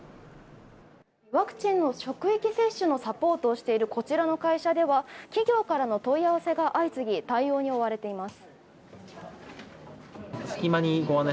ワクチンの職域接種のサポートをしているこちらの会社では企業からの問い合わせが相次ぎ対応に追われています。